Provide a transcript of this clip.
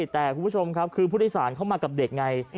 แต่คุณผู้ชมครับคือผู้โดยสารเข้ามากับเด็กไง